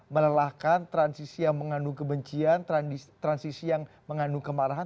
melelahkan transisi yang mengandung kebencian transisi yang mengandung kemarahan